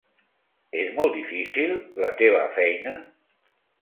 És molt difícil, la teva feina?